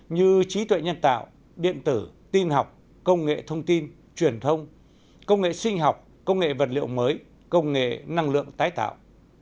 như trí tuệ nhân tạo điện tử tin học công nghệ thông tin truyền thông công nghệ sinh học công nghệ vật liệu mới công nghệ năng lượng tái tạo